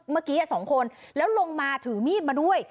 เมื่อกี้๒คนแล้วลงมาถือมีดมาด้วย